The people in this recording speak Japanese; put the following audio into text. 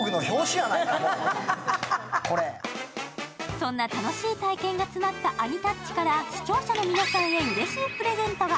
そんな楽しい体験が詰まったアニタッチから視聴者の皆さんへうれしいプレゼントが。